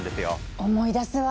思い出すわ。